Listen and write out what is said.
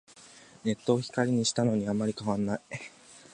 ネットを光にしたのにあんまり変わらない